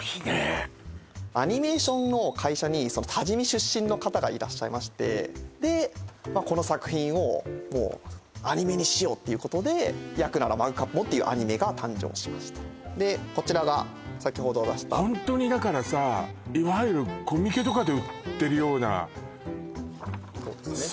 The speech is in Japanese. アニメーションの会社に多治見出身の方がいらっしゃいましてでこの作品をもうアニメにしようっていうことで「やくならマグカップも」っていうアニメが誕生しましたでこちらが先ほど出したホントにだからさいわゆるコミケとかで売ってるようなそうですね